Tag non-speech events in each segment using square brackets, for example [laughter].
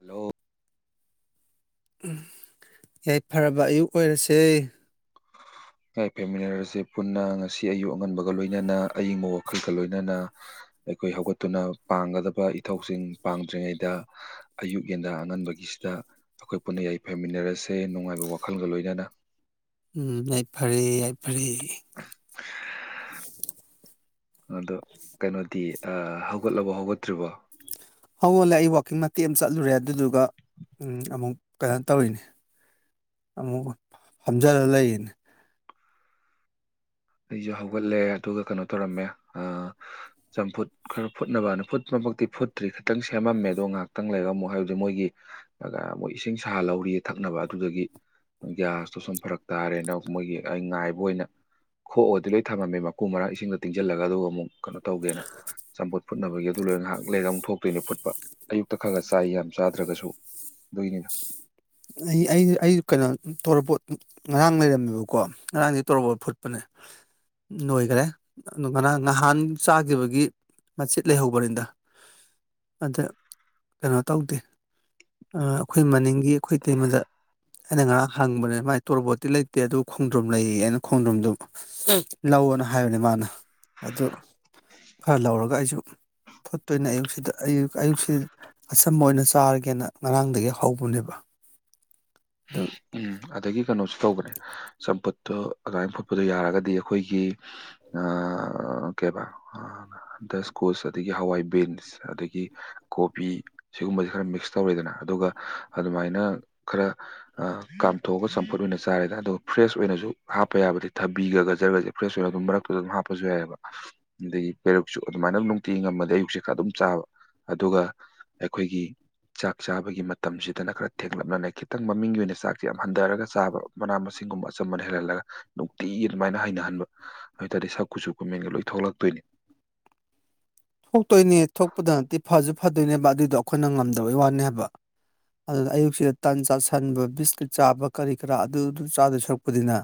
hello ꯌꯥꯏ ꯐꯔꯕ ꯑꯌꯨꯛ ꯑꯣꯏꯔꯁꯦ ꯌꯥꯥꯏꯐꯃꯤꯟꯅꯔꯁꯦ ꯄꯨꯟꯅ ꯉꯁꯤ ꯑꯌꯨꯛ ꯑꯉꯟꯕꯒ ꯂꯣꯏꯅꯅ ꯑꯌꯤꯡꯕ ꯋꯥꯈꯜꯒ ꯂꯣꯏꯅꯅ ꯑꯩꯈꯣꯏ ꯍꯧꯒꯠꯇꯨꯅ ꯄꯥꯡꯒꯗꯕ ꯏꯊꯧꯁꯤꯡ ꯄꯥꯡꯗ꯭ꯔꯤꯉꯩꯗ ꯑꯌꯨꯛ ꯌꯦꯟꯗ ꯑꯉꯟꯕꯒꯤꯁꯤꯗ ꯑꯩꯈꯣꯏ ꯄꯨꯟꯅ ꯌꯥꯏꯐꯃꯤꯟꯅꯔꯁꯦ ꯅꯨꯡꯉꯥꯏꯕ ꯋꯥꯈꯜꯒ ꯂꯣꯏꯅꯅ ꯎꯝ ꯌꯥꯏꯐꯔꯦ ꯌꯥꯏꯐꯔꯦ [inaudible] ꯑꯗꯣ ꯀꯩꯅꯣꯗꯤ ꯑ ꯍꯧꯒꯠꯂꯕꯣ ꯍꯧꯒꯠꯇ꯭ꯔꯤꯕꯣ ꯍꯧꯒꯠꯂꯦ ꯑꯩ ꯋꯥꯛꯀꯤꯡ ꯃꯇꯦꯛ ꯑꯝ ꯆꯠꯂꯨꯔꯦ ꯑꯗꯨꯗꯨꯒ ꯎꯝ ꯑꯃꯨꯛ ꯀꯩꯅꯣ ꯇꯧꯔꯤꯅꯤ ꯑꯃꯨꯛ ꯍꯝꯖꯤꯜꯂ ꯂꯩꯌꯤꯅꯦ ꯑꯩꯁꯨ ꯍꯧꯒꯠꯂꯦ ꯑꯗꯨꯒ ꯀꯩꯅꯣ ꯇꯧꯔꯝꯃꯦ ꯑ ꯆꯝꯐꯨꯠ ꯈꯔ ꯐꯨꯠꯅꯕꯅ ꯐꯨꯠꯄ ꯃꯛꯇꯤ ꯐꯨꯠꯇ꯭ꯔꯤ ꯈꯤꯇꯪ ꯁꯦꯝꯃꯝꯃꯦ ꯑꯗꯣ ꯉꯥꯛꯇꯪ ꯂꯩꯔꯝꯃꯨꯛ ꯍꯥꯏꯕꯗꯤ ꯃꯣꯏꯒꯤ ꯑꯗꯥ ꯃꯣꯏ ꯏꯁꯤꯡ ꯁꯥꯍꯟꯍꯧꯔꯤꯌꯦ ꯊꯛꯅꯕ ꯑꯗꯨꯗꯨꯒꯤ ꯒ꯭ꯌꯥꯁꯇꯣ ꯁꯨꯝ ꯐꯔꯛ ꯇꯥꯔꯦꯅ ꯃꯣꯏꯒꯤ ꯑꯩ ꯉꯥꯏꯕ ꯑꯣꯏꯅ ꯈꯣꯛꯑꯗꯤ ꯂꯣꯏ ꯊꯝꯃꯝꯃꯦ ꯃꯀꯨ ꯃꯔꯛ ꯏꯁꯤꯡꯗ ꯇꯤꯡꯁꯤꯜꯂꯒ ꯑꯗꯨꯒ ꯑꯃꯨꯛ ꯀꯩꯅꯣ ꯇꯧꯒꯦꯅ ꯆꯝꯄꯨꯠ ꯐꯨꯠꯅꯕꯒꯤ ꯑꯗꯨ ꯂꯣꯏ ꯉꯥꯏꯍꯥꯛ ꯂꯩꯔꯒ ꯑꯃꯨꯛ ꯊꯣꯛꯇꯣꯏꯅꯦ ꯐꯨꯠꯄ ꯑꯌꯨꯛꯇ ꯈꯔ ꯈꯔ ꯆꯥꯏ ꯌꯥꯝ ꯆꯥꯗ꯭ꯔꯒꯁꯨ ꯑꯗꯨꯏꯅꯤꯗ ꯑꯩ ꯑꯩ ꯑꯩ ꯀꯩꯅꯣ ꯇꯣꯔꯕꯣꯠ ꯉꯔꯥꯡ ꯂꯩꯔꯝꯃꯦꯕꯀꯣ ꯉꯔꯥꯡꯁ ꯇꯧꯔꯕꯣꯠ ꯐꯨꯠꯄꯅꯦ ꯅꯣꯏꯒꯔꯦ ꯑꯗꯨ ꯉꯔꯥ ꯅꯍꯥꯟ ꯆꯥꯒꯤꯕꯒꯤ ꯃꯆꯤꯠ ꯂꯩꯍꯧꯕꯅꯤꯗ ꯑꯗ ꯀꯩꯅꯣ ꯇꯧꯗꯦ ꯑꯩꯈꯣꯏ ꯃꯅꯤꯡꯒꯤ ꯑꯩꯈꯣꯏ ꯇꯩꯃꯗ ꯑꯩꯅ ꯉꯥꯔꯥꯛ ꯍꯪꯕꯅꯦ ꯃꯥꯏ ꯇꯣꯔꯕꯣꯠꯇꯤ ꯂꯩꯇꯦ ꯑꯗꯨ ꯈꯣꯡꯗ꯭ꯔꯣꯝ ꯂꯩꯌꯦ ꯑꯩꯅ ꯈꯣꯡꯗ꯭ꯔꯣꯝꯗꯨ ꯂꯧꯑꯅꯥ ꯍꯥꯏꯕꯅꯦ ꯃꯥꯅ ꯑꯗꯨ ꯈꯔ ꯂꯧꯔꯒ ꯑꯩꯁꯨ ꯐꯠꯇꯣꯏꯅꯦ ꯑꯌꯨꯛꯁꯤꯗ ꯑꯌꯨ ꯑꯌꯨꯛꯁꯤ ꯑꯁꯝꯕ ꯑꯣꯏꯅ ꯆꯥꯔꯒꯦꯅ ꯉꯔꯥꯡꯗꯒꯤ ꯍꯧꯕꯅꯦꯕ ꯗ ꯎꯝ ꯑꯗꯒꯤ ꯀꯩꯅꯣꯁꯨ ꯇꯧꯕꯅꯦ ꯆꯝꯐꯨꯠꯇꯣ ꯑꯗꯨꯃꯥꯏ ꯐꯨꯠꯄꯗꯣ ꯌꯥꯔꯒꯗꯤ ꯑꯩꯈꯣꯏꯒꯤ ꯑ ꯀꯦꯕꯥ ꯗꯁꯀꯨꯁ ꯑꯗꯒꯤ ꯍꯋꯥꯏ ꯕꯤꯟꯁ ꯑꯗꯒꯤ ꯀꯣꯕꯤ ꯁꯤꯒꯨꯝꯕꯁꯦ ꯈꯔ ꯃꯤꯛꯁ ꯇꯧꯔꯦꯗꯅ ꯑꯗꯨꯒ ꯑꯗꯨꯃꯥꯏꯅ ꯈꯔ ꯀꯥꯝꯊꯣꯛꯑꯒ ꯆꯝꯐꯨꯠ ꯑꯣꯏꯅ ꯆꯥꯔꯦꯗ ꯑꯗꯨ ꯐ꯭ꯔꯦꯁ ꯑꯣꯏꯅꯖꯨ ꯍꯥꯞꯄ ꯌꯥꯕꯗꯤ ꯊꯕꯤꯒ ꯒꯖꯔꯒꯖꯦ ꯐ꯭ꯔꯦꯁ ꯑꯣꯏꯔ ꯃꯔꯛꯇꯨꯗ ꯑꯗꯨꯝ ꯍꯥꯞꯄꯁꯨ ꯌꯥꯏꯑꯕ ꯑꯗꯒꯤ ꯄꯦꯔꯨꯛꯁꯨ ꯑꯗꯨꯃꯥꯏꯅ ꯅꯨꯡꯇꯤꯒꯤ ꯉꯃꯗꯤ ꯑꯌꯨꯛꯁꯦ ꯈꯔ ꯑꯗꯨꯝ ꯆꯥꯕ ꯑꯗꯨꯒ ꯑꯩꯈꯣꯏꯒꯤ ꯆꯥꯛ ꯆꯥꯕꯒꯤ ꯃꯇꯝꯁꯤꯗꯅ ꯈꯔ ꯊꯦꯡꯂꯞꯅ ꯈꯤꯇꯪ ꯃꯃꯤꯡꯒꯤ ꯑꯣꯏꯅ ꯆꯥꯛ ꯌꯥꯝ ꯍꯟꯊꯔꯒ ꯆꯥꯕ ꯃꯅꯥ ꯃꯁꯤꯡꯒꯨꯝꯕ ꯑꯆꯝꯕꯅ ꯍꯦꯜꯍꯜꯂꯒ ꯅꯨꯡꯇꯤ ꯑꯗꯨꯃꯥꯏꯅ ꯍꯩꯅꯍꯟꯕ ꯑꯗꯨꯑꯣꯏꯇꯥꯔꯗꯤ ꯁꯛ ꯀꯨꯁꯨ ꯀꯨꯃꯦꯟꯒ ꯂꯣꯏ ꯊꯣꯛꯂꯛꯇꯣꯏꯅꯤ ꯊꯣꯛꯇꯣꯏꯅꯦ ꯊꯣꯛꯄꯗ ꯅꯠꯇꯦ ꯐꯁꯨ ꯐꯗꯣꯏꯅꯦꯕ ꯑꯗꯨꯏꯗꯣ ꯑꯩꯈꯣꯏꯅ ꯉꯝꯗꯕꯩ ꯋꯥꯅꯦꯕ ꯑꯗꯨꯅ ꯑꯌꯨꯛꯁꯤꯗ ꯇꯟ ꯆꯥꯥꯁꯟꯕ ꯕꯤꯁꯀꯤꯠ ꯆꯥꯕ ꯀꯔꯤ ꯀꯔꯥ ꯑꯗꯨꯗꯨ ꯆꯥꯗꯣꯏ ꯁꯨꯔꯛꯄꯨꯗꯤꯅꯦ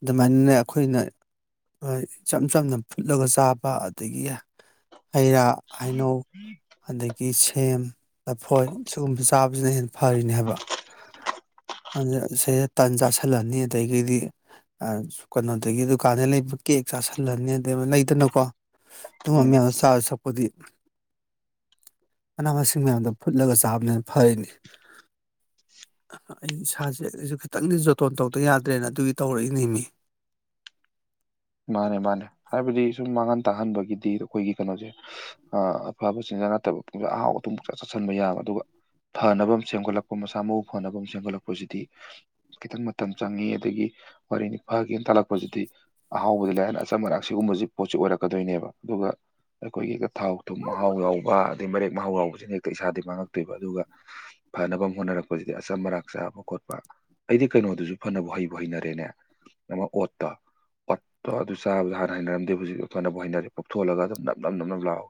ꯑꯗꯨꯃꯥꯏꯅꯅꯦ ꯑꯩꯈꯣꯏꯅ ꯑ ꯏꯆꯝ ꯆꯝꯅ ꯐꯨꯠꯂꯒ ꯆꯥꯕ ꯑꯗꯒꯤ ꯍꯩꯔꯥ ꯍꯩꯅꯧ ꯑꯗꯒꯤ ꯁꯦꯝ ꯂꯐꯣꯏ ꯁꯤꯒꯨꯝꯕ ꯆꯥꯕꯁꯤꯅ ꯍꯦꯟꯅ ꯐꯔꯤꯅꯦ ꯍꯥꯏꯕ ꯑꯗ ꯁꯤꯗꯩꯗ ꯇꯜ ꯆꯥꯥꯁꯤꯜꯂꯅꯤ ꯑꯗꯩꯒꯩꯗꯤ ꯑ ꯀꯩꯅꯣꯗꯒꯤ ꯗꯨꯀꯥꯟꯗꯩ ꯂꯩꯕ ꯀꯦꯛ ꯆꯥꯥꯁꯜꯂꯅꯤ ꯑ ꯂꯩꯗꯅꯀꯣ ꯑꯗꯨꯝꯕ ꯎꯝ ꯃꯌꯥꯝꯗꯣ ꯆꯥꯗꯣꯏ ꯁꯔꯨꯛꯄꯨꯗꯤ ꯃꯅꯥ ꯃꯁꯤꯡ ꯃꯌꯥꯝꯗꯣ ꯐꯨꯠꯂꯒ ꯆꯥꯕꯅ ꯍꯦꯟꯅ ꯐꯩꯅꯤ ꯑꯩ ꯏꯁꯥꯁꯦ ꯑꯩꯁꯨ ꯈꯤꯇꯪꯗꯤ ꯖꯣꯇꯣꯟ ꯇꯧꯗꯕ ꯌꯥꯗ꯭ꯔꯦꯅ ꯑꯗꯨꯒꯤ ꯇꯧꯔꯛꯏꯅꯦꯃꯤ ꯃꯥꯅꯦ ꯃꯥꯅꯦ ꯍꯥꯏꯕꯗꯤ ꯁꯨꯝ ꯃꯥꯡꯍꯟ ꯇꯥꯍꯟꯕꯒꯤꯗꯤ ꯑꯩꯈꯣꯏꯒꯤ ꯀꯩꯅꯣꯖꯦ ꯑ ꯑꯐꯕ ꯆꯤꯟꯖꯥꯛ ꯅꯠꯇꯕ ꯄꯨꯡ ꯑꯍꯥꯎ ꯑꯊꯨꯝ ꯄꯪꯆꯥ ꯆꯥꯁꯟꯕ ꯌꯥꯕ ꯑꯗꯨꯒ ꯐꯅꯕ ꯑꯝ ꯁꯦꯝꯒꯠꯂꯛꯄ ꯃꯁꯥ ꯃꯎ ꯐꯅꯕ ꯑꯃꯨꯛ ꯁꯦꯝꯒꯠꯂꯛꯄꯁꯤꯗꯤ ꯈꯤꯇꯪ ꯃꯇꯝ ꯆꯪꯉꯤ ꯑꯗꯒꯤ ꯋꯥꯔꯤ ꯅꯤꯐꯥꯒꯤ ꯑꯝ ꯇꯥꯂꯛꯄꯁꯤꯗꯤ ꯑꯍꯥꯎꯕꯗꯨ ꯂꯩꯔ ꯂꯩꯔ ꯑꯆꯝ ꯑꯔꯥꯛ ꯁꯤꯒꯨꯝꯕꯖꯤ ꯄꯣꯠꯁꯤ ꯑꯣꯏꯔꯛꯀꯗꯣꯏꯅꯦꯕ ꯑꯗꯨꯒ ꯑꯩꯈꯣꯏꯒꯤꯒ ꯊꯥꯎ ꯊꯨꯝ ꯃꯍꯥꯎ ꯌꯥꯎꯕ ꯑꯗꯩ ꯃꯔꯦꯛ ꯃꯍꯥꯎ ꯌꯥꯎꯕꯁꯤꯅ ꯍꯦꯛꯇ ꯏꯁꯥꯗꯤ ꯃꯥꯡꯉꯛꯇꯣꯏꯕ ꯑꯗꯨꯒ ꯐꯅꯕ ꯑꯃꯨꯛ ꯍꯣꯠꯅꯔꯛꯄꯁꯤꯗꯤ ꯑꯆꯝ ꯑꯔꯥꯛ ꯆꯥꯕ ꯈꯣꯠꯄ ꯑꯩꯗꯤ ꯀꯩꯅꯣꯗꯨꯖꯨ ꯐꯅꯕꯨ ꯍꯩꯕꯨ ꯍꯩꯅꯔꯦꯅꯦ ꯃ ꯑꯣꯠꯇꯣ ꯑꯣꯠꯇꯣ ꯑꯗꯨ ꯆꯥꯕꯗ ꯍꯥꯟꯅ ꯍꯩꯅꯔꯝꯗꯦ ꯍꯧꯖꯤꯛꯇꯤ ꯐꯅꯕꯨ ꯍꯩꯅꯔꯦ ꯄꯣꯛꯊꯣꯍꯜꯂꯒ ꯑꯗꯨꯝ ꯅꯞꯅꯞ ꯅꯞꯅꯞ ꯂꯥꯎ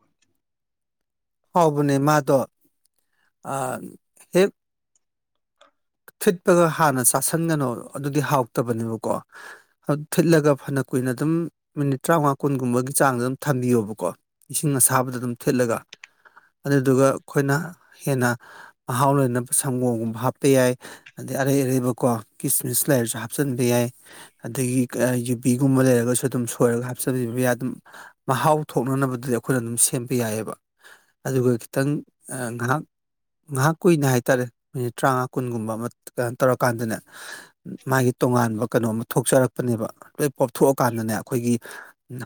ꯍꯥꯎꯕꯅꯦ ꯃꯥꯗꯣ ꯑ ꯍꯦꯛ ꯊꯤꯠꯄꯒ ꯍꯥꯟꯅ ꯆꯥꯁꯟꯒꯅꯣ ꯑꯗꯨꯗꯤ ꯍꯥꯎꯇꯕꯅꯦꯕꯀꯣ ꯑꯠ ꯊꯤꯠꯂꯒ ꯐꯅ ꯀꯨꯏꯅ ꯑꯗꯨꯝ ꯃꯤꯅꯤꯠ ꯇ꯭ꯔꯥꯝꯉꯥ ꯀꯨꯟꯒꯨꯝꯕꯒꯤ ꯆꯥꯡꯗ ꯑꯗꯨꯝ ꯊꯝꯕꯤꯌꯣꯕꯀꯣ ꯏꯁꯤꯡ ꯑꯁꯥꯕꯗ ꯑꯗꯨꯝ ꯊꯤꯠꯂꯒ ꯑꯗꯨꯗꯨꯒ ꯑꯩꯈꯣꯏꯅ ꯍꯦꯟꯅ ꯃꯍꯥꯎ ꯂꯩꯅꯕ ꯁꯪꯒꯣꯝꯒꯨꯝꯕ ꯍꯥꯞ ꯄ ꯌꯥꯏ ꯑꯗꯩ ꯑꯔꯩ ꯑꯔꯩꯕꯀꯣ ꯀꯤꯁꯃꯤꯁ ꯂꯩꯔꯁꯨ ꯍꯥꯞꯆꯤꯟꯕ ꯌꯥꯏ ꯑꯗꯒꯤ ꯑ ꯌꯨꯕꯤꯒꯨꯝꯕ ꯂꯩꯔꯒꯁꯨ ꯑꯗꯨꯝ ꯁꯣꯏꯔꯒ ꯍꯥꯞꯆꯤꯟꯕꯤꯕ ꯌꯥ ꯑꯗꯨꯝ ꯃꯍꯥꯎ ꯊꯣꯛꯅꯅꯕꯗꯨꯗꯤ ꯑꯩꯈꯣꯏꯅ ꯑꯗꯨꯝ ꯁꯦꯝꯕ ꯌꯥꯏꯌꯦꯕ ꯑꯗꯨꯒ ꯈꯤꯇꯪ ꯑ ꯉꯔꯥꯛ ꯉꯥꯏꯍꯥꯛ ꯀꯨꯏꯅ ꯍꯥꯏꯇꯥꯔꯦ ꯃꯤꯅꯤꯠ ꯇ꯭ꯔꯥꯝꯉꯥ ꯀꯨꯟꯒꯨꯝꯕ ꯑꯃ ꯀꯩꯅꯣ ꯇꯧꯔꯀꯥꯟꯗꯅꯦ ꯃꯥꯒꯤ ꯇꯣꯉꯥꯟꯕ ꯀꯩꯅꯣꯝ ꯊꯣꯛꯆꯔꯛꯄꯅꯦꯕ ꯂꯣꯏ ꯄꯣꯞꯊꯣꯛꯑꯀꯥꯟꯗꯅꯦ ꯑꯩꯈꯣꯏꯒꯤ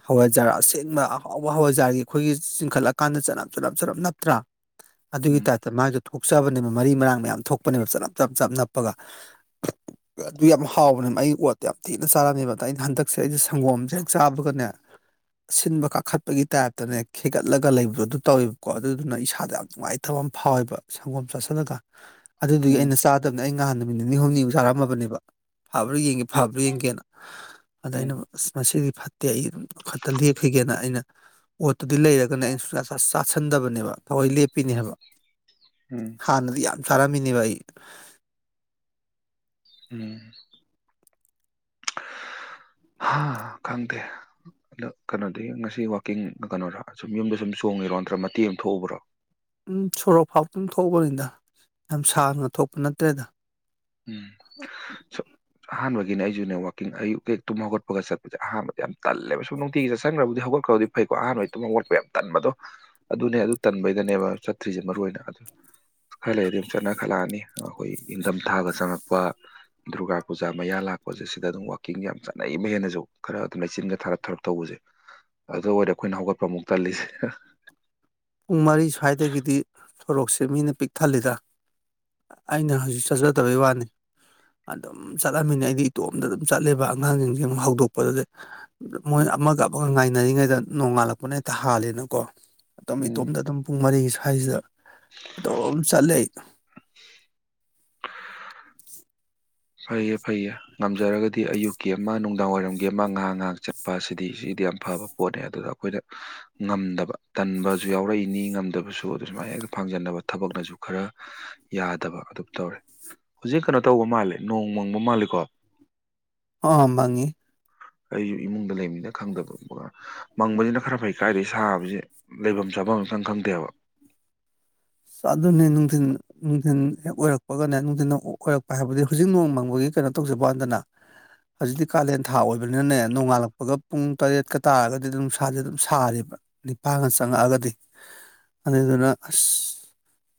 ꯍꯋꯥꯏꯖꯥꯔ ꯑꯁꯦꯡꯕ ꯑꯍꯥꯎꯕ ꯍꯋꯥꯏꯖꯥꯔꯒꯤ ꯑꯩꯈꯣꯏꯒꯤ ꯆꯤꯡꯈꯠꯂꯀꯥꯟꯗ ꯆꯅꯞ ꯆꯅꯞ ꯆꯅꯞ ꯅꯞꯇ꯭ꯔꯥ ꯑꯗꯨꯒꯤ ꯎꯝ ꯇꯥꯏꯞꯇ ꯃꯥꯒꯤ ꯊꯣꯛꯆꯕꯅꯦꯕ ꯃꯔꯤ ꯃꯔꯥꯡ ꯃꯌꯥꯝ ꯊꯣꯛꯄꯅꯦꯕ ꯆꯞꯅꯞ ꯆꯞ ꯆꯞ ꯅꯞꯄꯒ [inaudible] ꯑꯗꯨ ꯌꯥꯝ ꯍꯥꯎꯕꯅꯦ ꯑꯩ ꯑꯣꯠꯇꯤ ꯌꯥꯝ ꯊꯤꯅ ꯆꯥꯔꯝꯃꯦꯕ ꯑꯗꯥ ꯑꯩꯅ ꯍꯟꯗꯛꯁꯦ ꯑꯩꯖꯦ ꯁꯪꯒꯣꯝꯖꯦ ꯍꯦꯛ ꯆꯥꯕꯒꯅꯦ ꯑꯁꯤꯟꯕ ꯀꯥꯈꯠꯄꯒꯤ ꯇꯥꯏꯞꯇꯅꯦ ꯈꯦꯒꯠꯂꯒ ꯂꯩꯕꯗꯣ ꯑꯗꯨ ꯇꯧꯋꯦꯕꯀꯣ ꯑꯗꯨꯗꯨꯅ ꯏꯁꯥꯗ ꯌꯥꯝ ꯅꯨꯡꯉꯥꯏ ꯇꯥꯕ ꯑꯝ ꯐꯥꯎꯋꯦꯕ ꯁꯪꯒꯣꯝ ꯆꯥꯁꯤꯜꯂꯒ ꯑꯗꯨꯗꯨꯒꯤ ꯎꯝ ꯑꯩꯅ ꯆꯥꯗꯕꯅꯦ ꯑꯩ ꯉꯍꯥꯟ ꯅꯨꯃꯤꯠ ꯅꯤꯅꯤ ꯍꯨꯝꯅꯤꯃꯨꯛ ꯆꯥꯔꯝꯃꯕꯅꯦꯕ ꯐꯥꯕ꯭ꯔꯥ ꯌꯦꯡꯒꯦ ꯐꯕ꯭ꯔꯥ ꯌꯦꯡꯒꯦꯅ ꯑꯗ ꯎꯝ ꯑꯩꯅ ꯑꯁ ꯃꯁꯤꯗꯤ ꯐꯠ ꯇꯦꯍꯤ ꯈꯛꯇ ꯂꯦꯛꯈꯤꯒꯦꯅ ꯑꯩꯅ ꯑꯣꯠꯇꯨꯗꯤ ꯂꯩꯔꯒꯅꯦ ꯑꯩꯅ ꯁꯨꯆꯥ ꯆꯥ ꯆꯥꯁꯟꯗꯕꯅꯦꯕ ꯊꯋꯣꯏ ꯂꯦꯞꯄꯤꯅꯦ ꯍꯥꯏꯕ ꯎꯝ ꯍꯥꯟꯅꯗꯤ ꯌꯥꯝ ꯆꯥꯔꯝꯃꯤꯅꯦꯕ ꯑꯩ ꯎꯝ ꯍꯥꯥ ꯈꯪꯗꯦ ꯑꯗꯣ ꯀꯩꯅꯣꯗꯤ ꯉꯁꯤ ꯋꯥꯛꯀꯤꯡ ꯀꯩꯅꯣꯔꯥ ꯁꯨꯝ ꯌꯨꯝꯗ ꯁꯨꯝ ꯆꯣꯡꯉꯤꯔꯣ ꯅꯠꯇ꯭ꯔꯒ ꯃꯇꯦꯛ ꯑꯃ ꯊꯣꯛꯎꯕ꯭ꯔꯣ ꯎꯝ ꯁꯣꯔꯣꯛ ꯐꯥꯎꯇꯪ ꯊꯣꯛꯎꯕꯅꯤꯗ ꯌꯥꯝ ꯁꯥꯡꯅ ꯊꯣꯛꯄ ꯅꯠꯇ꯭ꯔꯦꯗ ꯎꯝ ꯁꯣ ꯑꯍꯥꯟꯕꯒꯤꯅꯦ ꯑꯩꯖꯨꯅꯦ ꯋꯥꯀꯤꯡ ꯑꯌꯨꯛ ꯍꯦꯛ ꯇꯨꯝ ꯍꯧꯒꯠꯄꯒ ꯆꯠꯄꯖꯦ ꯑꯍꯥꯟꯕꯗ ꯌꯥꯝ ꯇꯜꯂꯦꯕ ꯁꯨꯝ ꯅꯨꯡꯇꯤꯒꯤ ꯆꯠꯁꯟꯒ꯭ꯔꯕꯨꯗꯤ ꯍꯧꯒꯠꯈ꯭ꯔꯕꯗꯤ ꯐꯩꯀꯣ ꯑꯍꯥꯟꯕꯩ ꯇꯨꯝ ꯍꯧꯖꯠꯄ ꯌꯥꯝ ꯇꯟꯕꯗꯣ ꯑꯗꯨꯅꯦ ꯑꯗꯨ ꯇꯟꯕꯩꯗꯅꯦꯕ ꯆꯠꯇ꯭ꯔꯤꯖꯦ ꯃꯔꯨꯑꯣꯏꯅ ꯑꯗꯨ ꯈꯔ ꯂꯩꯔꯗꯤ ꯑꯗꯨꯝ ꯆꯠꯅ ꯈꯠꯂꯛꯑꯅꯤ ꯑꯩꯈꯣꯏ ꯏꯪꯊꯝ ꯊꯥꯒ ꯆꯪꯉꯛꯄ ꯗꯨꯔꯒꯥ ꯄꯨꯖꯥ ꯃꯌꯥ ꯂꯥꯛꯄꯁꯦ ꯁꯤꯗ ꯑꯗꯨꯝ ꯋꯥꯛꯀꯤꯡ ꯌꯥꯝ ꯆꯥꯠꯅꯩꯃꯦ ꯍꯦꯟꯅꯖꯨ ꯈꯔ ꯑꯗꯨꯝ ꯂꯩꯆꯤꯟꯒ ꯊꯥꯔꯞ ꯊꯥꯔꯞ ꯇꯧꯕꯁꯦ ꯑꯗꯨ ꯑꯣꯏꯔꯦ ꯑꯩꯈꯣꯏꯅ ꯍꯧꯒꯠꯄ ꯑꯃꯨꯛ ꯇꯜꯂꯤꯁꯦ ꯄꯨꯡ ꯃꯔꯤ ꯁ꯭ꯋꯥꯏꯗꯒꯤꯗꯤ ꯁꯣꯔꯣꯛꯁꯦ ꯃꯤꯅ ꯄꯤꯛ ꯊꯜꯂꯤꯗ ꯑꯩꯅ ꯍꯧꯖꯤꯛ ꯆꯠꯆꯗꯕꯩ ꯋꯥꯅꯦ ꯑꯗꯨꯝ ꯆꯠꯂꯝꯃꯤꯅꯦ ꯑꯩꯗꯤ ꯏꯇꯣꯝꯗ ꯑꯗꯨꯝ ꯆꯠꯂꯦꯕ ꯑꯉꯥꯡꯁꯤꯡꯖꯦ ꯑꯃꯨꯛ ꯍꯧꯗꯣꯛꯄꯗꯗꯤ ꯃꯣꯏ ꯑꯃꯒ ꯑꯃꯒ ꯉꯥꯏꯅꯔꯤꯉꯩꯗ ꯅꯣꯡꯉꯥꯜꯂꯛꯄꯅ ꯍꯦꯛꯇ ꯍꯥꯂꯦꯅꯀꯣ ꯑꯗꯨꯝ ꯎꯝ ꯏꯇꯣꯝꯗ ꯑꯗꯨꯝ ꯄꯨꯡ ꯃꯔꯤꯒꯤ ꯁ꯭ꯋꯥꯏꯁꯤꯗ ꯑꯗꯨꯝ ꯆꯠꯂꯦ ꯐꯩꯌꯦ ꯐꯩꯌꯦ ꯉꯝꯖꯔꯒꯗꯤ ꯑꯌꯨꯛꯀꯤ ꯑꯃ ꯅꯨꯡꯗꯥꯡ ꯋꯥꯏꯔꯝꯒꯤ ꯑꯃ ꯉꯥꯍꯥꯛ ꯉꯥꯍꯥꯛ ꯆꯠꯄ ꯑꯁꯤꯗꯤ ꯁꯤꯗꯤ ꯌꯥꯝ ꯐꯕ ꯄꯣꯠꯅꯦ ꯑꯗꯨꯗ ꯑꯩꯈꯣꯏꯅ ꯉꯝꯗꯕ ꯇꯟꯕꯖꯨ ꯌꯥꯎꯔꯛꯏꯅꯤ ꯉꯝꯗꯕꯁꯨ ꯑꯗꯨ ꯁꯨꯃꯥꯏꯅ ꯍꯦꯛꯇ ꯐꯥꯡꯖꯟꯅꯕ ꯊꯕꯛꯅꯁꯨ ꯈꯔ ꯌꯥꯗꯕ ꯑꯗꯨꯝ ꯇꯧꯔꯦ ꯍꯧꯖꯤꯛ ꯀꯩꯅꯣ ꯇꯧꯕ ꯃꯥꯜꯂꯦ ꯅꯣꯡ ꯃꯪꯕ ꯃꯥꯜꯂꯤꯀꯣ ꯑꯣ ꯃꯪꯉꯤ ꯑꯩꯖꯨ ꯏꯃꯨꯡꯗ ꯂꯩꯝꯃꯤꯅ ꯈꯪꯗꯕ ꯀꯣ ꯃꯪꯕꯖꯤꯅ ꯈꯔ ꯐꯩ ꯀꯥꯏꯗꯩ ꯁꯥꯕꯖꯦ ꯂꯩꯕꯝ ꯆꯥꯕꯝ ꯑꯝꯇꯪ ꯈꯪꯗꯦꯕ ꯆꯥ ꯑꯗꯨꯅꯦ ꯅꯨꯡꯊꯤꯟ ꯅꯨꯡꯊꯤꯟ ꯍꯦꯛ ꯑꯣꯏꯔꯛꯄꯒꯅꯦ ꯅꯨꯡꯊꯤꯟ ꯑꯣ ꯑꯣꯏꯔꯛꯄ ꯍꯥꯏꯕꯗꯤ ꯍꯧꯖꯤꯛ ꯅꯣꯡ ꯃꯪꯕꯒꯤ ꯀꯩꯅꯣ ꯇꯧꯖꯕ ꯋꯥꯅꯤꯗꯅ ꯍꯧꯖꯤꯛꯇꯤ ꯀꯥꯂꯦꯟ ꯊꯥ ꯑꯣꯏꯕꯅꯤꯅꯅꯦ ꯅꯣꯡꯉꯥꯜꯂꯛꯄꯒ ꯄꯨꯡ ꯇꯔꯦꯠꯀ ꯇꯥꯔꯒꯗꯤ ꯑꯗꯨꯝ ꯅꯨꯡꯁꯥꯖꯦ ꯑꯗꯨꯝ ꯁꯥꯔꯦꯕ ꯅꯤꯛꯐꯥꯒ ꯆꯪꯉꯛꯑꯒꯗꯤ ꯑꯗꯨꯗꯨꯅ ꯑꯁ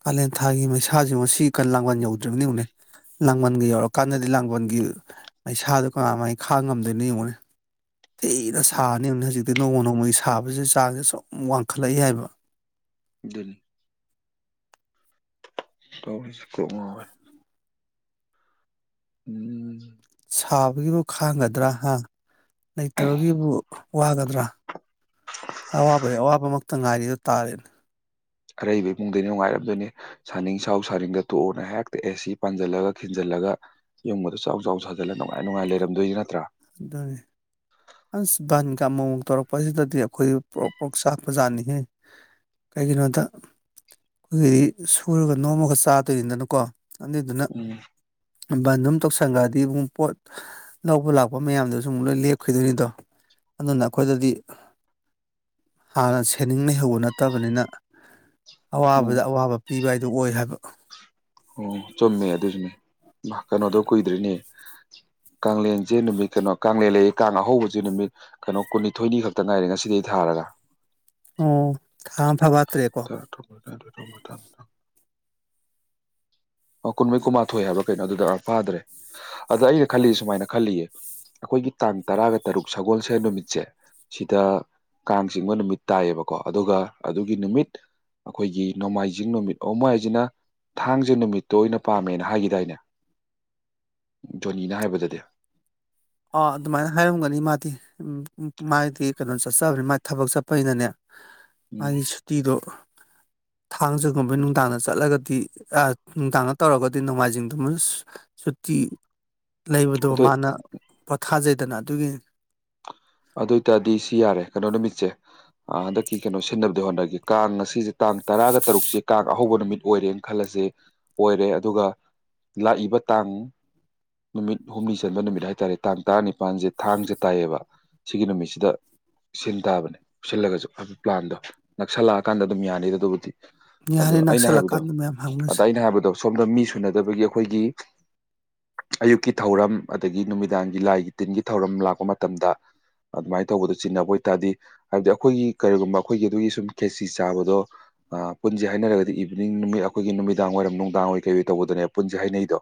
ꯀꯥꯂꯦꯟ ꯊꯥꯒꯤ ꯃꯩꯁꯥꯖꯤꯕꯨ ꯁꯤ ꯀꯜ ꯂꯥꯡꯕꯟ ꯌꯧꯗ꯭ꯔꯤꯕꯅꯤ ꯌꯦꯡꯉꯨꯅꯦ ꯂꯥꯡꯕꯟꯒ ꯌꯧꯔꯀꯥꯟꯗꯗꯤ ꯂꯥꯡꯕꯟꯒꯤ ꯃꯩꯁꯥꯗꯣ ꯀꯅꯥꯃꯥꯏ ꯈꯥꯡ ꯉꯝꯗꯣꯏꯅꯣ ꯌꯦꯡꯉꯨꯅꯦ ꯊꯤꯅ ꯁꯥꯅꯤ ꯌꯦꯡꯉꯨꯅꯦ ꯍꯧꯖꯤꯛꯇꯤ ꯅꯣꯡꯃ ꯅꯣꯡꯃꯒꯤ ꯁꯥꯕꯁꯦ ꯆꯥꯡꯁꯦ ꯁꯨꯝ ꯋꯥꯡꯈꯠꯂꯛꯏ ꯍꯥꯏꯕ ꯑꯗꯨꯅꯤ ꯇꯧꯔꯤꯁꯦ ꯀꯣꯛ ꯉꯥꯎꯋꯦ ꯎꯝ ꯁꯥꯕꯒꯤꯕꯨ ꯈꯥꯡꯒꯗ꯭ꯔꯥ ꯍꯥ ꯂꯩꯇꯕꯒꯤꯕꯨ ꯋꯥꯒꯗ꯭ꯔꯥ ꯑꯋꯥꯕꯩ ꯑꯋꯥꯕꯃꯛꯇ ꯉꯥꯏꯔꯤꯗꯨ ꯇꯥꯔꯦꯅꯦ ꯑꯔꯩꯕ ꯏꯃꯨꯡꯗ ꯅꯨꯡꯉꯥꯏꯔꯝꯗꯣꯏꯅꯦ ꯁꯥꯅꯤꯡ ꯁꯥꯎ ꯁꯥꯅꯤꯡꯗ ꯇꯣꯛꯎꯅ ꯍꯦꯛꯇ ꯑꯦꯁꯤ ꯄꯥꯟꯖꯤꯜꯂꯒ ꯈꯤꯟꯖꯜꯂꯒ ꯌꯨꯝꯒꯗꯣ ꯆꯥꯎ ꯆꯥꯎ ꯁꯥꯖꯜꯂ ꯅꯨꯡꯉꯥꯏ ꯅꯨꯡꯉꯥꯏ ꯂꯩꯔꯝꯗꯣꯏꯅꯤ ꯅꯠꯇ꯭ꯔꯥ ꯗꯥꯅꯤ ꯑꯁ ꯕꯥꯟꯀꯥ ꯑꯃꯨꯛ ꯃꯨꯛ ꯇꯧꯔꯛꯄꯁꯤꯗꯗꯤ ꯑꯩꯈꯣꯏꯖꯦ ꯄ꯭ꯔꯣꯛ ꯄ꯭ꯔꯣꯛ ꯆꯥꯛꯄꯖꯥꯅꯤꯍꯦ ꯀꯩꯒꯤꯅꯣꯗ ꯑꯩꯈꯣꯏꯒꯤꯗꯤ ꯁꯨꯔꯒ ꯅꯣꯝꯃꯒ ꯆꯥꯗꯣꯏꯅꯗꯅꯀꯣ ꯑꯗꯨꯏꯗꯨꯅ ꯎꯝ ꯕꯟꯅꯨꯝ ꯇꯧꯁꯟꯒ꯭ꯔꯥꯗꯤ ꯃꯨꯛ ꯄꯣꯠ ꯂꯧꯕ ꯂꯥꯛ ꯋꯥ ꯃꯌꯥꯝꯗꯨꯖꯨ ꯑꯃꯨꯛ ꯂꯣꯏ ꯂꯦꯞꯈꯤꯗꯣꯏꯅꯤꯗꯣ ꯑꯗꯨꯅ ꯑꯩꯈꯣꯏꯗꯗꯤ ꯍꯥꯟꯅ ꯁꯦꯅꯤꯡ ꯂꯩꯍꯧꯕ ꯅꯠꯇꯕꯅꯤꯅ ꯎꯝ ꯑꯋꯥꯕꯗ ꯑꯋꯥꯕ ꯄꯤꯕ ꯍꯥꯏꯗꯨ ꯑꯣꯏ ꯍꯥꯏꯕ ꯑꯣ ꯆꯨꯝꯃꯦ ꯑꯗꯨꯏꯁꯨꯅꯦ ꯃꯥ ꯀꯩꯅꯣꯗꯣ ꯀꯨꯏꯗ꯭ꯔꯤꯅꯦ ꯀꯥꯡꯂꯦꯟꯖꯦ ꯅꯨꯃꯤꯠ ꯀꯩꯅꯣ ꯀꯥꯡꯂꯦꯟ ꯂꯩꯌꯦ ꯀꯥꯡ ꯑꯍꯧꯕꯖꯦ ꯅꯨꯃꯤꯠ ꯀꯩꯅꯣ ꯀꯨꯟꯅꯤꯊꯣꯏꯅꯤ ꯈꯛꯇ ꯉꯥꯏꯔꯦ ꯉꯁꯤꯗꯩ ꯊꯥꯔꯒ ꯑꯣ ꯊꯥ ꯑꯃ ꯐꯥꯕꯠꯇ꯭ꯔꯦꯀꯣ [unintelligible] ꯑꯣ ꯀꯨꯟꯃꯩ ꯀꯨꯟꯃꯥꯊꯣꯏ ꯍꯥꯏꯕ ꯀꯩꯅꯣ ꯑꯗꯨꯗ ꯑꯥ ꯐꯥꯗ꯭ꯔꯦ ꯑꯗ ꯑꯩꯅ ꯈꯜꯂꯤ ꯁꯨꯃꯥꯏꯅ ꯈꯜꯂꯤꯌꯦ ꯑꯩꯈꯣꯏꯒꯤ ꯇꯥꯡ ꯇꯔꯥꯒ ꯇꯔꯨꯛ ꯁꯒꯣꯟꯁꯦꯟ ꯅꯨꯃꯤꯠꯁꯦ ꯁꯤꯗ ꯀꯥꯡ ꯆꯤꯡꯕ ꯅꯨꯃꯤꯠ ꯇꯥꯏꯌꯦꯕꯀꯣ ꯑꯗꯨꯒ ꯑꯗꯨꯒꯤ ꯅꯨꯃꯤꯠ ꯑꯩꯈꯣꯏꯒꯤ ꯅꯣꯡꯃꯥꯏꯖꯤꯡ ꯅꯨꯃꯤꯠ ꯑꯣ ꯃꯣꯏ ꯍꯥꯏꯖꯤꯅ ꯊꯥꯡꯖ ꯅꯨꯃꯤꯠꯇꯣ ꯑꯣꯏꯅ ꯄꯥꯝꯃꯦꯅ ꯍꯥꯏꯒꯤꯗꯥꯏꯅꯦ ꯗꯣꯅꯤꯅ ꯍꯥꯏꯕꯗꯗꯤ ꯑꯥ ꯑꯗꯨꯃꯥꯏꯅ ꯍꯥꯏꯔꯝꯒꯅꯤ ꯃꯥꯗꯤ ꯎꯝ ꯃꯥꯏꯗꯤ ꯀꯩꯅꯣ ꯆꯠꯆꯕꯅꯤ ꯃꯥꯥꯏ ꯊꯕꯛ ꯆꯠꯄꯅꯤꯅꯅꯦ ꯎꯝ ꯃꯥꯒꯤ ꯇꯤꯗꯣ ꯊꯥꯡꯖꯒꯨꯝꯕ ꯅꯨꯡꯗꯥꯡꯗ ꯆꯠꯂꯒꯗꯤ ꯑꯥ ꯅꯨꯡꯗꯥꯡꯗ ꯇꯧꯔꯒꯗꯤ ꯅꯣꯡꯃꯥꯏꯖꯤꯡꯗꯨꯃꯥ [unintelligible] ꯁꯨꯇꯤ ꯂꯩꯕꯗꯣ ꯑꯗꯨ ꯃꯥꯅ ꯄꯣꯊꯥꯖꯩꯗꯅ ꯑꯗꯨꯒꯤ ꯑꯗꯨꯏ ꯇꯥꯔꯗꯤ ꯁꯤ ꯌꯥꯔꯦ ꯀꯩꯅꯣ ꯅꯨꯃꯤꯠꯁꯦ ꯑꯥ ꯍꯟꯗꯛꯀꯤ ꯀꯩꯅꯣ ꯁꯤꯟꯅꯕꯗꯣ ꯍꯣꯠꯅꯒꯦ ꯀꯥꯡ ꯉꯁꯤꯖꯦ ꯇꯥꯡ ꯇꯔꯥꯒ ꯇꯔꯨꯛꯁꯦ ꯀꯥꯡ ꯑꯍꯧꯕ ꯅꯨꯃꯤꯠ ꯑꯣꯏꯔꯦꯅ ꯈꯜꯂꯖꯦ ꯑꯣꯏꯔꯦ ꯑꯗꯨꯒ ꯂꯥꯛꯏꯕ ꯇꯥꯡ ꯅꯨꯃꯤꯠ ꯍꯨꯝꯅꯤ ꯆꯟꯕ ꯅꯨꯃꯤꯠ ꯍꯥꯏꯇꯥꯔꯦ ꯇꯥꯡ ꯇꯔꯥꯅꯤꯄꯥꯟꯖꯦ ꯊꯥꯡꯖꯥ ꯇꯥꯏꯌꯦꯕ ꯁꯤꯒꯤ ꯅꯨꯃꯤꯠꯁꯤꯗ ꯁꯤꯟ ꯇꯥꯕꯅꯦ ꯎꯠꯁꯜꯂꯒꯖꯨ ꯍꯥꯏꯗꯤ ꯄ꯭ꯂꯥꯟꯗꯣ ꯅꯛꯁꯜꯂꯛꯑꯀꯥꯟꯗ ꯑꯗꯨꯝ ꯌꯥꯅꯤꯗ ꯑꯗꯨꯕꯨꯗꯤ ꯑꯗꯣ ꯍꯥꯏꯅ ꯑꯩꯅ ꯍꯥꯏꯕꯗꯣ ꯅꯛꯁꯜꯂꯀꯥꯟꯗ ꯃꯌꯥꯝ ꯑꯗ ꯍꯪꯅꯁꯦ ꯑꯩꯅ ꯍꯥꯏꯕꯗꯣ ꯁꯣꯝꯗ ꯃꯤ ꯁꯨꯅꯗꯕꯒꯤ ꯑꯩꯈꯣꯏꯒꯤ ꯑꯌꯨꯛꯀꯤ ꯊꯧꯔꯝ ꯑꯗꯒꯤ ꯅꯨꯃꯤꯗꯥꯡꯒꯤ ꯂꯥꯏꯒꯤ ꯇꯤꯟꯒꯤ ꯊꯧꯔꯝ ꯂꯥꯛꯄ ꯃꯇꯝꯗ ꯑꯗꯨꯃꯥꯏꯅ ꯇꯧꯕꯗꯣ ꯆꯤꯟꯅꯕ ꯑꯣꯏꯇꯥꯔꯗꯤ ꯍꯥꯏꯕꯗꯤ ꯑꯩꯈꯣꯏꯒꯤ ꯀꯔꯤꯒꯨꯝꯕ ꯑꯩꯈꯣꯏꯒꯤ ꯑꯗꯨꯒꯤ ꯁꯨꯝ ꯈꯦꯆꯤ ꯆꯥꯕꯗꯣ ꯑꯥ ꯄꯨꯟꯖꯦ ꯍꯥꯏꯅꯔꯒꯗꯤ ꯏꯚꯤꯅꯤꯡ ꯅꯨꯃꯤꯠ ꯑꯩꯈꯣꯏꯒꯤ ꯅꯨꯃꯤꯗꯥꯡ ꯋꯥꯏꯔꯝ ꯅꯨꯡꯗꯥꯡꯋꯥꯏ ꯀꯩꯑꯣꯏ ꯇꯧꯕꯗꯅꯦꯕ ꯄꯨꯟꯖꯦ ꯍꯥꯏꯅꯩꯗꯣ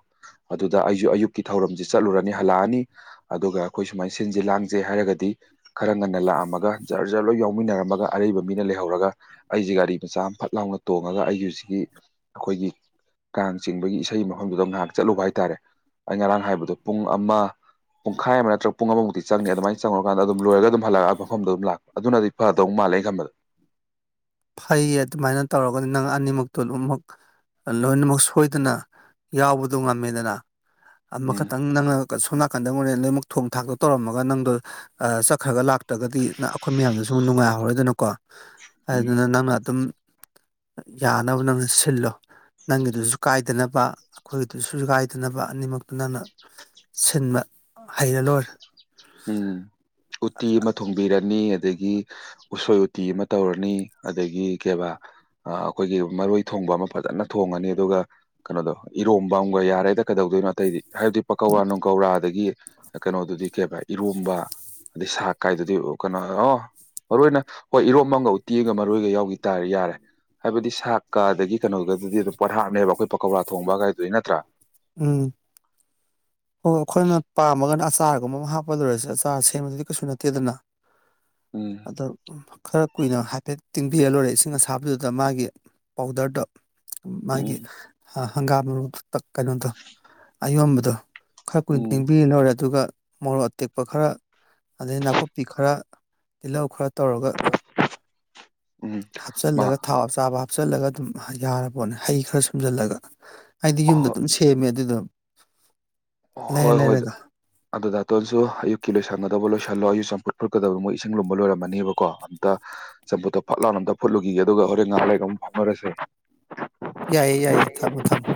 ꯑꯗꯨꯗ ꯑꯩꯖꯨ ꯑꯌꯨꯛꯀꯤ ꯊꯧꯔꯝꯖꯦ ꯆꯠꯂꯨꯔꯅꯤ ꯍꯜꯂꯛꯑꯅꯤ ꯑꯗꯨꯒ ꯑꯩꯈꯣꯏ ꯁꯨꯃꯥꯏ ꯁꯤꯟꯖꯦ ꯂꯥꯡꯖꯦ ꯍꯥꯏꯔꯒꯗꯤ ꯈꯔ ꯉꯟꯅ ꯂꯥꯛꯑꯝꯃꯒꯥ ꯖꯔ ꯖꯔ ꯂꯣꯏ ꯌꯥꯎꯃꯤꯟꯅꯔꯝꯃꯒ ꯑꯔꯩꯕ ꯃꯤꯅ ꯂꯩꯍꯧꯔꯒ ꯑꯩꯖꯦ ꯒꯥꯔꯤ ꯃꯆꯥ ꯑꯃ ꯐꯠ ꯂꯥꯎꯅ ꯇꯣꯡꯉꯒ ꯑꯩꯒꯤ ꯍꯧꯖꯤꯛꯒꯤ ꯑꯩꯈꯣꯏꯒꯤ ꯀꯥꯡ ꯆꯤꯡꯕꯒꯤ ꯏꯁꯩ ꯃꯐꯝꯗꯨꯗ ꯉꯍꯥꯛ ꯆꯠꯂꯨꯕ ꯍꯥꯏꯇꯥꯔꯦ ꯑꯩ ꯉꯔꯥꯡ ꯍꯥꯏꯕꯗꯣ ꯄꯨꯡ ꯑꯃ ꯄꯨꯡꯈꯥꯏ ꯑꯃ [unintelligible] ꯄꯨꯡ ꯑꯃꯃꯨꯛꯇꯤ ꯆꯪꯅꯤ ꯑꯗꯨꯃꯥꯏ ꯆꯪꯉꯨꯔꯀꯥꯟꯗ ꯑꯗꯨꯝ ꯂꯣꯏꯔꯒ ꯑꯗꯨꯝ ꯍꯜꯂꯛꯑꯒ ꯃꯐꯝꯗꯨ ꯑꯗꯨꯝ ꯂꯥꯛꯄ ꯑꯗꯨꯅꯗꯤ ꯐꯗꯧ ꯃꯥꯜꯂꯦ ꯑꯩ ꯈꯟꯕꯗ ꯐꯩꯌꯦ ꯑꯗꯨꯃꯥꯏꯅ ꯇꯧꯔꯒꯗꯤ ꯅꯪ ꯑꯅꯤꯃꯛꯇꯣ ꯑꯗꯨꯃꯛ ꯂꯣꯏꯅꯃꯛ ꯁꯣꯏꯗꯅ ꯌꯥꯎꯕꯗꯣ ꯉꯝꯃꯦꯗꯅ ꯎꯝ ꯑꯃꯈꯛꯇꯪ ꯅꯪꯅ ꯁꯣꯝ ꯅꯥꯀꯟꯗ ꯃꯣꯔꯦꯅ ꯂꯣꯏꯃꯛ ꯊꯣꯡ ꯊꯥꯛꯇꯣ ꯇꯧꯔꯝꯃꯒ ꯅꯪꯗꯣ ꯑꯥ ꯆꯠꯈ꯭ꯔꯒ ꯂꯥꯛꯇ꯭ꯔꯒꯗꯤꯅ ꯑꯩꯈꯣꯏ ꯃꯌꯥꯝꯗꯁꯨ ꯅꯨꯡꯉꯥꯏꯍꯧꯔꯣꯏꯗꯅꯀꯣ [unintelligible] ꯑꯗꯨꯅ ꯅꯪꯅ ꯑꯗꯨꯝ ꯌꯥꯅꯕ ꯅꯪꯅ ꯁꯤꯜꯂꯣ ꯅꯪꯒꯤꯗꯨꯁꯨ ꯀꯥꯏꯗꯅꯕ ꯑꯩꯈꯣꯏꯒꯤꯗꯨꯁꯨ ꯀꯥꯏꯗꯅꯕ ꯑꯅꯤꯃꯛꯇꯨ ꯅꯪꯅ ꯁꯤꯟꯕ ꯍꯩꯔꯥ ꯂꯣꯏꯔꯦ ꯎꯝ ꯎꯇꯤ ꯑꯃ ꯊꯣꯡꯕꯤꯔꯅꯤ ꯑꯗꯒꯤ ꯎꯁꯣꯏ ꯎꯇꯤ ꯑꯃ ꯇꯧꯔꯅꯤ ꯑꯗꯒꯤ ꯀꯩꯕꯥ ꯑꯥ ꯑꯩꯈꯣꯏꯒꯤ ꯃꯔꯣꯏ ꯊꯣꯡꯕ ꯑꯃ ꯐꯖꯅ ꯊꯣꯡꯉꯅꯤ ꯑꯗꯨꯒ ꯀꯩꯅꯣꯗꯣ ꯏꯔꯣꯝꯕ ꯑꯃꯒ ꯌꯥꯔꯦꯗ ꯀꯩꯗꯧꯗꯣꯏꯅꯣ ꯑꯇꯩꯗꯤ ꯍꯥꯏꯕꯗꯤ ꯄꯥꯀꯧꯔꯥ ꯅꯨꯡꯀꯧꯔꯥ ꯑꯗꯒꯤ ꯀꯩꯅꯣꯗꯨꯗꯤ ꯀꯩꯕ ꯏꯔꯣꯝꯕ ꯑꯗꯩ ꯁꯥꯛ ꯀꯥꯏꯗꯨꯗꯤ ꯀꯩꯅꯣ ꯑꯣ ꯃꯔꯨ ꯑꯣꯏꯅ ꯍꯣꯏ ꯏꯔꯣꯝꯕ ꯑꯃꯒ ꯎꯇꯤꯒ ꯃꯔꯣꯏꯒ ꯌꯥꯎꯒꯤ ꯇꯥꯔꯗꯤ ꯌꯥꯔꯦ ꯍꯥꯏꯕꯗꯤ ꯁꯥꯛꯀ ꯑꯗꯒꯤ ꯀꯩꯅꯣꯒꯗꯨꯗꯤ ꯑꯗꯨꯝ ꯄꯣꯠꯍꯥꯞꯅꯦꯕ ꯑꯩꯈꯣꯏ ꯄꯀꯧꯔꯥ ꯊꯣꯡꯕ ꯀꯥꯏꯗꯨꯗꯤ ꯅꯠꯇ꯭ꯔꯥ ꯎꯝ ꯑꯣ ꯑꯩꯈꯣꯏꯅ ꯄꯥꯝꯃꯒꯅ ꯑꯆꯥꯔꯒꯨꯝꯕ ꯑꯃ ꯍꯥꯞꯄ ꯂꯣꯏꯔꯦꯁꯦ ꯑꯆꯥꯔ ꯁꯦꯝꯕꯗꯨꯗꯤ ꯀꯩꯁꯨ ꯅꯠꯇꯦꯗꯅ ꯎꯝ ꯑꯗ ꯈꯔ ꯀꯨꯏꯅ ꯍꯥꯏꯐꯦꯠ ꯇꯤꯡꯕꯤꯔꯥ ꯂꯣꯏꯔꯦ ꯏꯁꯤꯡ ꯑꯁꯥꯕꯗꯨꯗ ꯃꯥꯒꯤ ꯄꯥꯎꯗꯔꯗꯣ ꯃꯥꯒꯤ ꯎꯝ ꯍꯪꯒꯥꯝ ꯃꯔꯨ ꯇꯛ ꯀꯩꯅꯣꯗꯣ ꯑꯌꯣꯟꯕꯗꯣ ꯈꯔ ꯀꯨꯏꯅ ꯎꯝ ꯇꯤꯡꯕꯤꯔꯥ ꯂꯣꯏꯔꯦ ꯑꯗꯨꯒ ꯃꯣꯔꯣꯛ ꯑꯇꯦꯛꯄ ꯈꯔ ꯑꯗꯩ ꯅꯥꯀꯨꯞꯄꯤ ꯈꯔ ꯇꯤꯜꯍꯧ ꯈꯔ ꯇꯧꯔꯒ ꯎꯝ ꯃꯥ ꯍꯥꯞꯆꯜꯂꯒ ꯊꯥꯎ ꯑꯆꯥꯕ ꯍꯥꯞꯆꯜꯂꯒ ꯑꯗꯨꯝ ꯌꯥꯔꯄꯣꯠꯅꯦ ꯍꯩ ꯈꯔ ꯁꯨꯝꯖꯜꯂꯒ ꯑꯩꯗꯤ ꯌꯨꯝꯗ ꯍꯣꯏ ꯑꯗꯨꯝ ꯁꯦꯝꯃꯦ ꯑꯗꯨꯗꫭ ꯍꯣꯏ ꯍꯣꯏꯗ ꯑꯗꫭ ꯗꯥꯇꯣꯟꯁꯨ ꯑꯌꯨꯛꯀꯤ ꯂꯣꯏꯁꯟꯒꯗꯕ ꯂꯣꯏꯁꯜꯂꯣ ꯑꯩꯁꯨ ꯆꯝꯐꯨꯠ ꯐꯨꯠꯀꯗꯕ ꯃꯣꯏ ꯏꯁꯤꯡ ꯂꯨꯝꯕ ꯂꯣꯏꯔꯝꯃꯅꯦꯕꯀꯣ ꯑꯝꯇ ꯆꯝꯐꯨꯠꯇꯣ ꯐꯠ ꯂꯥꯎꯅꯥ ꯑꯝꯇ ꯐꯨꯠꯂꯨꯈꯤꯒꯦ ꯑꯗꯨꯒ ꯍꯣꯔꯦꯟ ꯉꯥꯏꯍꯥꯛ ꯂꯩꯒ ꯑꯃꯨꯛ ꯐꯥꯎꯅꯔꯁꯦ ꯌꯥꯏꯌꯦ ꯌꯥꯏꯌꯦ ꯊꯝꯃꯣ ꯊꯝꯃꯣ